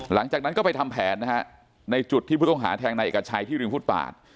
หลังจากนั้นก็ไปทำแผนนะฮะในจุดที่ผู้ต้องหาแทงนายเอกชัยที่ริมฟุตบาท